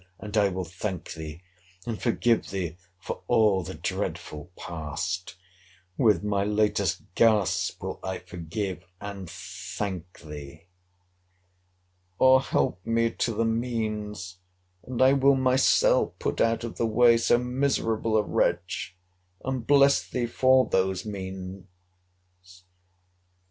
and I will thank thee, and forgive thee for all the dreadful past!—With my latest gasp will I forgive and thank thee!—Or help me to the means, and I will myself put out of the way so miserable a wretch! And bless thee for those means!